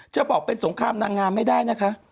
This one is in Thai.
จะบอกเป็นสงครามนางงามไม่ได้นะคะ